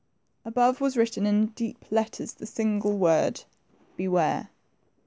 Above was written in deep letters the single word, Beware !